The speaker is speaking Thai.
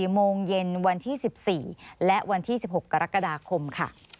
โมงเย็นวันที่๑๔และวันที่๑๖กรกฎาคมค่ะ